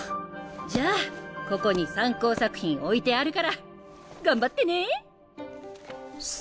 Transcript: じゃあここに参考作品置いてあるから頑張ってね！